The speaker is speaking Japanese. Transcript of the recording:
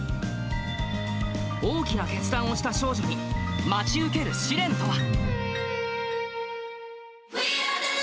大きな決断をした少女に、待ち受ける試練とは。